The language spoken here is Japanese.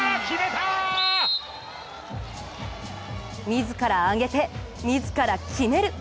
自ら上げて、自ら決める！